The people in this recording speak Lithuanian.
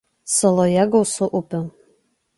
Saloje gausu upių.